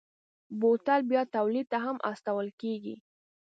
بوتل بیا تولید ته هم استول کېږي.